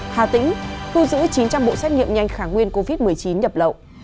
hà tĩnh khu giữ chín trăm linh bộ xét nghiệm nhanh khả nguyên covid một mươi chín đập lậu